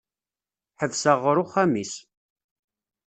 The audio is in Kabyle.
Ḥebseɣ ɣur uxxam-is.